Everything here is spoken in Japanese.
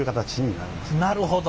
なるほど。